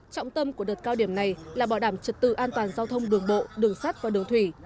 trọng tâm của đợt cao điểm này là bảo đảm trật tự an toàn giao thông đường bộ đường sắt và đường thủy